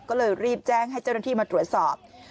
ก็เลยรีบแจ้งให้เจ้าหน้าที่มาตรวจสอบ